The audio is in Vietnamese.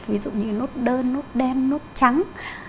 ví dụ như nốt đơn nốt đen nốt trắng